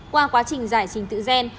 qua quá trình giải trình tự gen